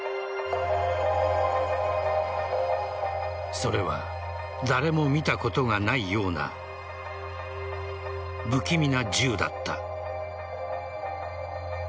それは誰も見たことがないような不気味な銃だった。